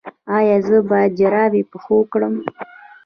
ایا زه باید جرابې په پښو کړم؟